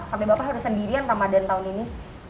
sampai bapak harus sendirian ramadan tahun ini